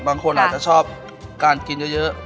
บางคนอาจจะชอบการกินเยอะ